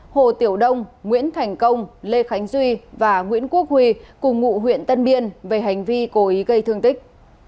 hồ tiểu đông nguyễn thành công lê khánh duy và nguyễn quốc huy cùng ngụ huyện tân biên về hành vi cố ý gây thương tích